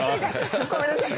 ごめんなさい。